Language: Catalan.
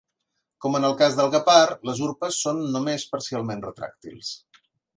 Com en el cas del guepard, les urpes són només parcialment retràctils.